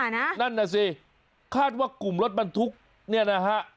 นั่นน่ะสิคาดว่ากลุ่มรถบรรทุกเนี่ยนะฮะ